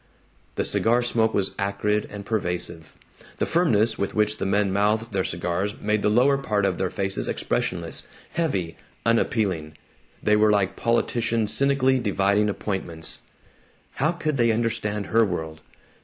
The cigar smoke was acrid and pervasive. The firmness with which the men mouthed their cigars made the lower part of their faces expressionless, heavy, unappealing. They were like politicians cynically dividing appointments. How could they understand her world?